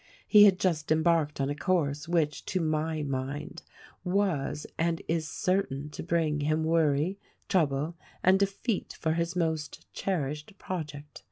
He had just em barked on a course which, to my mind, was and is certain to bring him worry, trouble and defeat for his most cherished project.